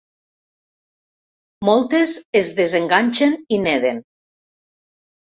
Moltes es desenganxen i neden.